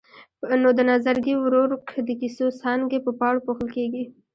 نو د نظرګي ورورک د کیسو څانګې په پاڼو پوښل کېږي.